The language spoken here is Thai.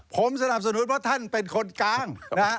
ผมสนับสนุนเพราะท่านเป็นคนกลางนะฮะ